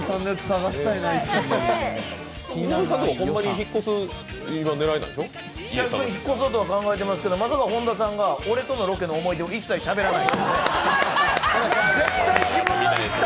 引っ越すことは考えていますけどまさか本田さんが俺とのロケの思い出を一切しゃべらない。